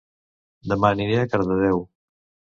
Dema aniré a Cardedeu